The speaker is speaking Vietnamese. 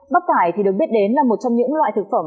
bắp cải thì được biết đến là một trong những loại thực phẩm